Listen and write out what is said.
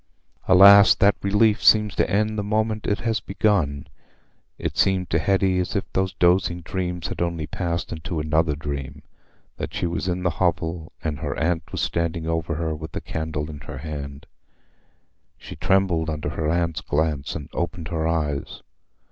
Alas! That relief seems to end the moment it has begun. It seemed to Hetty as if those dozen dreams had only passed into another dream—that she was in the hovel, and her aunt was standing over her with a candle in her hand. She trembled under her aunt's glance, and opened her eyes.